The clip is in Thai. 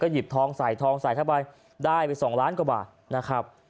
หยิบทองใส่ทองใส่เข้าไปได้ไป๒ล้านกว่าบาทนะครับ